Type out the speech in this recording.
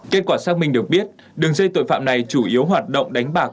kết quả xác minh được biết đường dây tội phạm này chủ yếu hoạt động đánh bạc